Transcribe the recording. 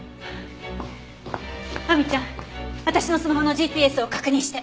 亜美ちゃん私のスマホのＧＰＳを確認して。